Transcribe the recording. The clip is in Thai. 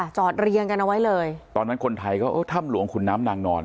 จอดเรียงกันเอาไว้เลยตอนนั้นคนไทยก็เออถ้ำหลวงขุนน้ำนางนอน